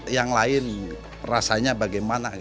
yang lain rasanya bagaimana